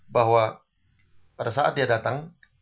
bahwa pada saat dia datang